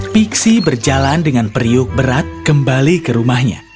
pixie berjalan dengan periuk berat kembali ke rumahnya